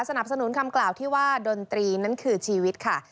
สนับสนุนคำกล่าวที่ว่าดนตรีนั้นคือชีวิตค่ะ